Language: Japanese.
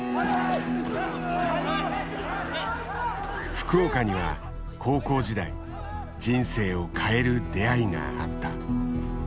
福岡には高校時代人生を変える出会いがあった。